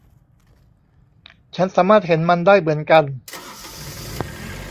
ฉันสามารถเห็นมันได้เหมือนกัน